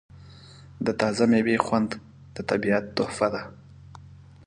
د تازه میوې خوند د طبیعت تحفه ده.